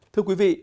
thưa quý vị